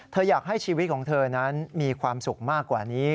อยากให้ชีวิตของเธอนั้นมีความสุขมากกว่านี้